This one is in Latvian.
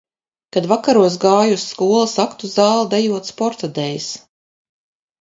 Kad vakaros gāju uz skolas aktu zāli dejot sporta dejas.